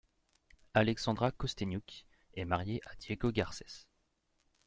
Alexandra Kosteniouk est mariée à Diego Garcés.